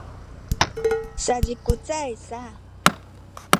sazikuzay sa